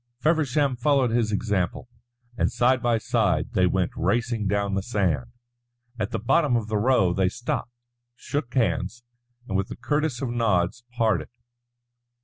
Feversham followed his example, and side by side they went racing down the sand. At the bottom of the Row they stopped, shook hands, and with the curtest of nods parted.